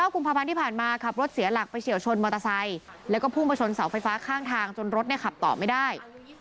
กุมภาพันธ์ที่ผ่านมาขับรถเสียหลักไปเฉียวชนมอเตอร์ไซค์แล้วก็พุ่งมาชนเสาไฟฟ้าข้างทางจนรถขับต่อไม่ได้